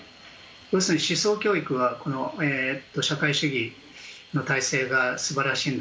要するに思想教育はこの社会主義の体制が素晴らしいんだ